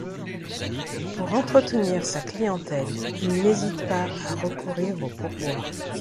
Pour entretenir sa clientèle, il n'hésite pas à recourir aux pourboires.